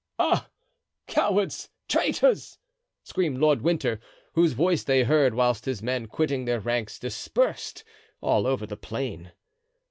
"Ah, cowards! traitors!" screamed Lord Winter, whose voice they heard, whilst his men, quitting their ranks, dispersed all over the plain.